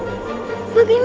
kamu sudah menjadi milikku